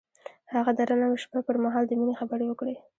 هغه د نرم شپه پر مهال د مینې خبرې وکړې.